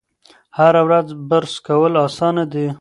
هره ورځ برس کول اسانه دي.